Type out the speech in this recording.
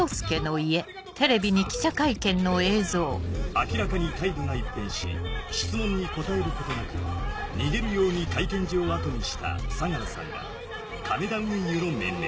⁉明らかに態度が一変し質問に答えることなく逃げるように会見場を後にした相良さんら亀田運輸の面々。